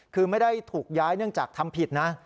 คือไม่ได้ถูกย้ายเนื่องจากทำผิดนะ